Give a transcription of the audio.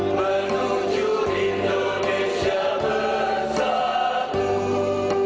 menuju indonesia bersatu